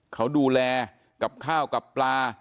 เขาดูแลกับข้าวกับปลา